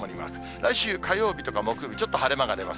来週火曜日とか木曜日、ちょっと晴れ間が出ます。